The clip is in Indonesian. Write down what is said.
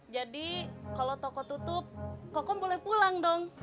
jadi kalau toko tutup kokom boleh pulang dong